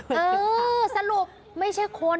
เออสรุปไม่ใช่คน